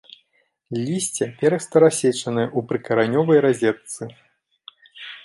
Лісце перыста-рассечанае ў прыкаранёвай разетцы.